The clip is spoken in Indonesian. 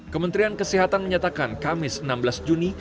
kementerian kesehatan menyatakan kamis enam belas juni